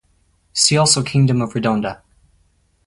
See also Kingdom of Redonda.